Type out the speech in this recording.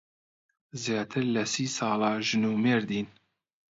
زیاتر لە سی ساڵە ژن و مێردین.